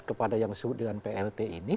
kepada yang disebut dengan plt ini